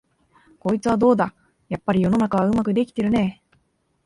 こいつはどうだ、やっぱり世の中はうまくできてるねえ、